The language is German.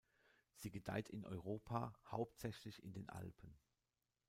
Sie gedeiht in Europa hauptsächlich in den Alpen.